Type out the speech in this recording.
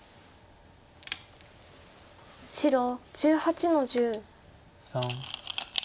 白１８の十。